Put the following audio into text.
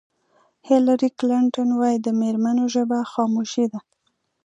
هېلري کلنټن وایي د مېرمنو ژبه خاموشي ده.